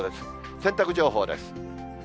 洗濯情報です。